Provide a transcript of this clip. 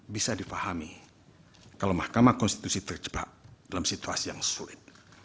bisa dipahami kalau mahkamah konstitusi terjebak dalam situasi yang sulit